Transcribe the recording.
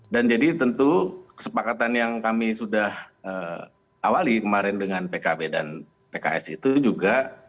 dan jadi tentu kesepakatan yang kami sudah awali kemarin dengan pkb dan pks itu juga